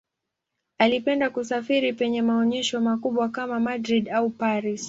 Alipenda kusafiri penye maonyesho makubwa kama Madrid au Paris.